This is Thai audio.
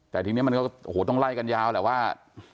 แต่ทีนี้มันก็โอ้โหต้องไล่กันยาวแหละว่า